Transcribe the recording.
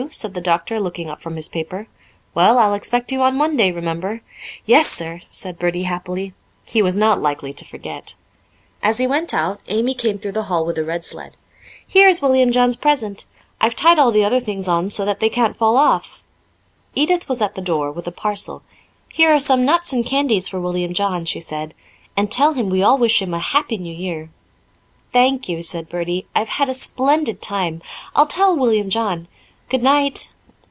said the doctor, looking up from his paper. "Well, I'll expect you on Monday, remember." "Yes, sir," said Bertie happily. He was not likely to forget. As he went out Amy came through the hall with a red sled. "Here is William John's present. I've tied all the other things on so that they can't fall off." Edith was at the door with a parcel. "Here are some nuts and candies for William John," she said. "And tell him we all wish him a 'Happy New Year.'" "Thank you," said Bertie. "I've had a splendid time. I'll tell William John. Goodnight."